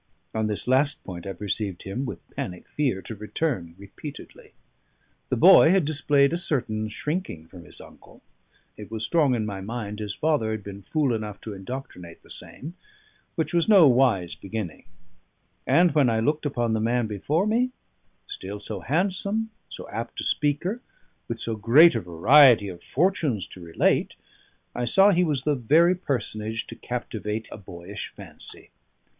On this last point I perceived him (with panic fear) to return repeatedly. The boy had displayed a certain shrinking from his uncle; it was strong in my mind his father had been fool enough to indoctrinate the same, which was no wise beginning: and when I looked upon the man before me, still so handsome, so apt a speaker, with so great a variety of fortunes to relate, I saw he was the very personage to captivate a boyish fancy.